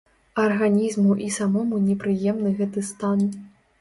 Арганізму і самому непрыемны гэты стан.